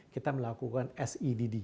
kita melakukan sedd